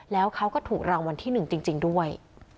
แล้วเขาก็ถูกรางวัลที่๑จริงด้วย